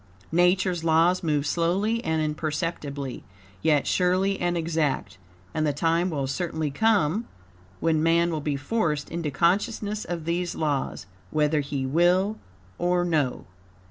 Nature's laws move slowly and imperceptibly, yet surely and exact, and the time will certainly come when man will be forced into consciousness of these laws, whether he will or no.